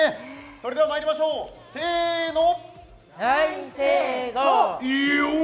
それではまいりましょう、せーの。